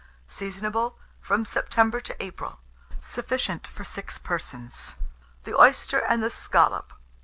Seasonable from September to April. Sufficient for 6 persons. THE OYSTER AND THE SCALLOP.